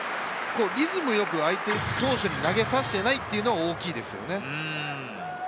リズム良く相手投手に投げさせていないというのが大きいですね。